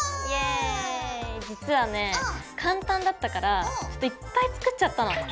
実はね簡単だったからちょっといっぱい作っちゃったの。